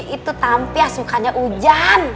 itu tampias mukanya hujan